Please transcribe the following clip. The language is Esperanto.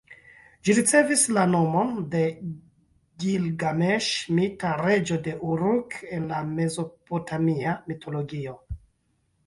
Ĝi ricevis la nomon de Gilgameŝ, mita reĝo de Uruk en la mezopotamia mitologio.